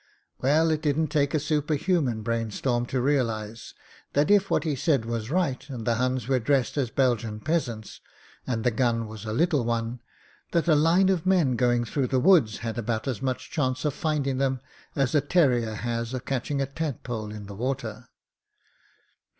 Well, it didn't take a superhuman brain storm to realise that if what he said was right and the Huns were dressed as Belgian peasants, and the gun was a little one, that a line of men going through the woods had about as much chance of finding them as a terrier has of catching a tadpole in the water.